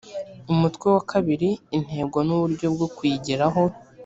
umutwe wa ii intego n’uburyo bwo kuyigeraho